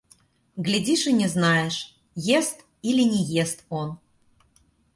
Глядишь и не знаешь: ест или не ест он.